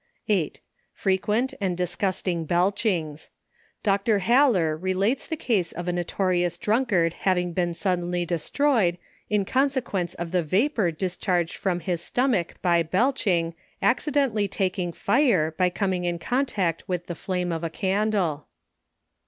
8. Frequent and disgusting bclchings. Dr. Haller re lates the case of a notorious drunkard, having been sud denly destroyed in consequence of the vapour discharged from his stomach by belching, accidentally taking fire by coming in contact with the flame of a candle.